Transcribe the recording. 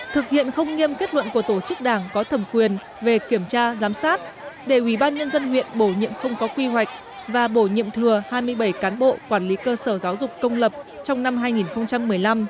thực hiện không nghiêm kết luận của tổ chức đảng có thẩm quyền về kiểm tra giám sát để ủy ban nhân dân huyện bổ nhiệm không có quy hoạch và bổ nhiệm thừa hai mươi bảy cán bộ quản lý cơ sở giáo dục công lập trong năm hai nghìn một mươi năm